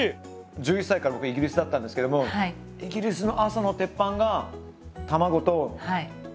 １１歳から僕イギリスだったんですけどもイギリスの朝の鉄板が卵とこのベーコンだったんですよ。